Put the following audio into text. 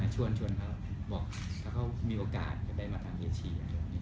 ชวนเขาบอกถ้าเขามีโอกาสจะได้มาทางเอเชีย